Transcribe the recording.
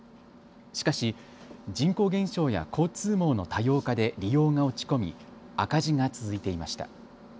しかし人口減少や交通網の多様化で利用が落ち込み赤字が続いていました。